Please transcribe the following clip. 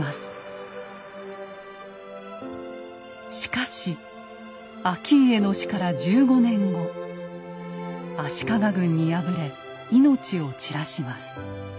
しかし顕家の死から１５年後足利軍に敗れ命を散らします。